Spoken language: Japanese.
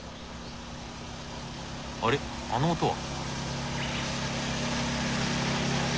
あれあの音は？